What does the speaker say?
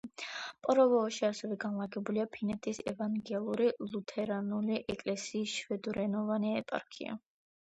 პორვოოში ასევე განლაგებულია ფინეთის ევანგელურ-ლუთერანული ეკლესიის შვედურენოვანი ეპარქია.